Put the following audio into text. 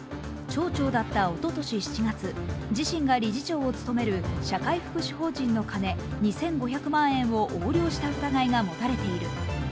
町長だったおととし７月、自身が理事長を務める社会福祉法人の金、２５００万円を横領した疑いが持たれている。